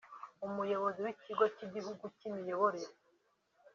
Umuyobozi w’Ikigo cy’Igihugu cy’imiyoborere